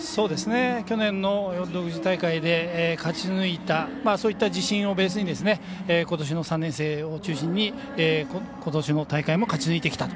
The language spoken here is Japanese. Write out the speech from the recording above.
去年の独自大会で勝ち抜いたそういった自信をベースにことしの３年生を中心にことしの大会も勝ち抜いてきたと。